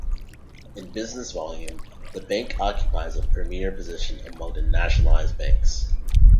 In business volume, the Bank occupies a premier position among the nationalised banks.